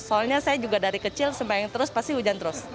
soalnya saya juga dari kecil sembayang terus pasti hujan terus